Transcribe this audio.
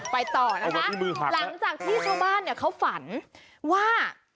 ไปต่อนะคะหลังจากที่ชาวบ้านเนี่ยเขาฝันว่า